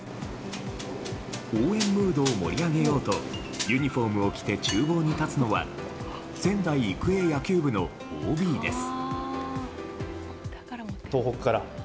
応援ムードを盛り上げようとユニホームを着て厨房に立つのは仙台育英野球部のＯＢです。